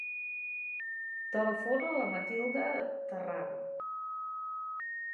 Telefona a la Matilda Tarraga.